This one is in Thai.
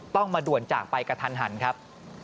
ต้องมาด่วนจากไปกับทันหันครับ